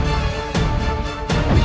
dan menangkap kake guru